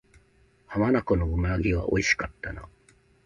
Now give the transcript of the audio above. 浜名湖の鰻は美味しかったな